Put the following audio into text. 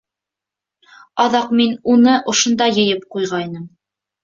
Аҙаҡ мин уны ошонда йыйып ҡуйғайным.